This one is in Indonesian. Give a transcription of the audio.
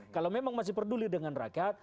kalau memang masih peduli dengan rakyat